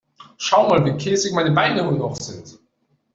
Schaut mal, wie käsig meine Beine noch sind.